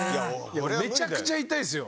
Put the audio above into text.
めちゃくちゃ痛いですよ。